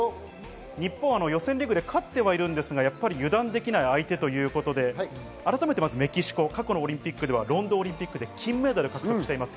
日本予選リーグで勝ってはいるんですが油断はできない相手ということで改めてメキシコ、過去のオリンピックではロンドンオリンピックで金メダルを獲得しています。